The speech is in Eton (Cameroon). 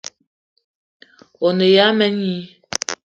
O ne ya mene i?